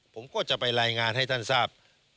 ผมก็จะไปรายงานให้ท่านทราบ